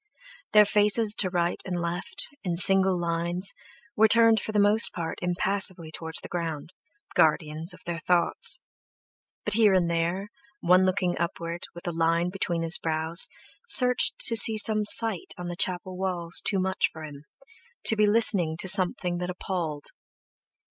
Their faces to right and left, in single lines, were turned for the most part impassively toward the ground, guardians of their thoughts; but here and there, one looking upward, with a line between his brows, searched to see some sight on the chapel walls too much for him, to be listening to something that appalled.